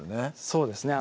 そうですね